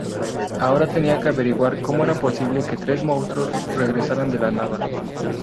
Ahora tenían que averiguar cómo era posible que tres monstruos regresaran de la nada.